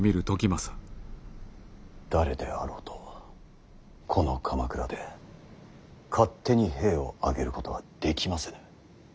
誰であろうとこの鎌倉で勝手に兵を挙げることはできませぬ。